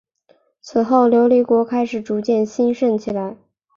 此后琉球国开始逐渐兴盛起来。